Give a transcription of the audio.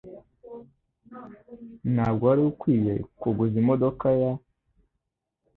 Ntabwo wari ukwiye kuguza imodoka ya